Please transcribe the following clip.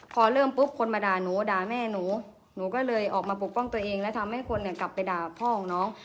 พอเริ่มปุ๊บคนมาด่าหนูด่าแม่หนูหนูก็เลยออกมาปกป้องตัวเองและทำให้คนเนี่ยกลับไปด่าพ่อของน้อง